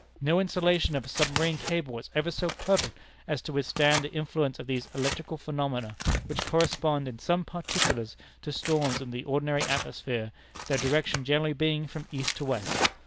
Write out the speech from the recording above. No insulation of a submarine cable is ever so perfect as to withstand the influence of these electrical phenomena, which correspond in some particulars to storms in the ordinary atmosphere, their direction generally being from east to west.